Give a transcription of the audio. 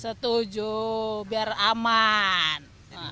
setuju biar aman